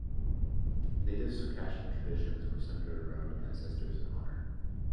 Native Circassian traditions were centered around ancestors and honor.